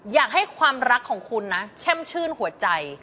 อยากให้ความรักของคุณนะแช่มชื่นหัวใจ